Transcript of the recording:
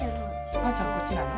あーちゃんこっちなの？